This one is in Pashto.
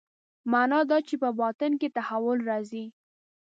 معنا دا چې په باطن کې تحول راځي.